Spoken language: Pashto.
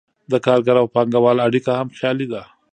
د کارګر او پانګهوال اړیکه هم خیالي ده.